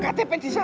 ktp di sana